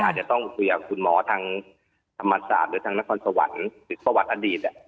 อาจจะต้องคุยกับคุณหมอทางธรรมศาสตร์หรือทางนครสวรรค์หรือประวัติอดีต